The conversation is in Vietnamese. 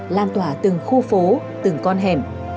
lan tỏa từng khu phố từng con hẻm